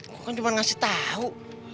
gue kan cuma ngasih tahu